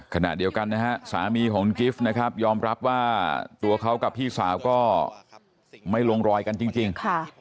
ขณะเดียวกันนะฮะสามีของกิฟต์นะครับยอมรับว่าตัวเขากับพี่สาวก็ไม่ลงรอยกันจริง